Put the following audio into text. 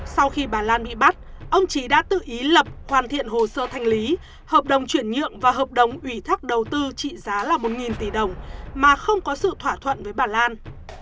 sau khi bà lan bị bắt ông trí đã tự ý lập hoàn thiện hồ sơ thanh lý hợp đồng chuyển nhượng và hợp đồng ủy thác đầu tư trị giá là một tỷ đồng mà không có sự thỏa thuận với bà lan